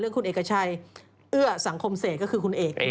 เรื่องคุณเอกชัยเอื้อสังคมเสกก็คือคุณเอก